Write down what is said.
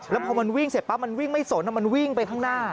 แล้วพอมันวิ่งเสร็จปั๊บมันวิ่งไม่สนมันวิ่งไปข้างหน้า